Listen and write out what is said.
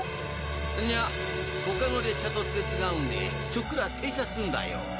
うんにゃ他の列車とすれ違うんでちょっくら停車すんだあよ。